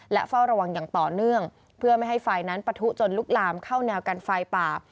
และเฝ้าระวังอย่างต่อเนื่องเพื่อไม่ให้ไฟนั้นปะทุจนลุกลามเข้าแนวกันไฟป่า